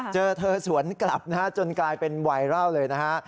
เจอเธอสวนกลับนะฮะจนกลายเป็นไวรัลเลยนะฮะ